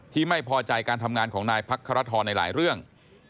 ที่ไม่พอใจการทำงานของนายพักครทรในหลายเรื่อง